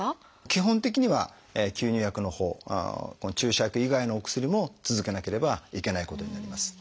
基本的には吸入薬のほうこの注射薬以外のお薬も続けなければいけないことになります。